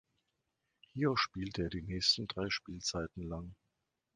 Hier spielte er die nächsten drei Spielzeiten lang.